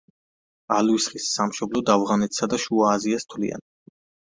ალვის ხის სამშობლოდ ავღანეთსა და შუა აზიას თვლიან.